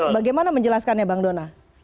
bagaimana menjelaskannya bang dona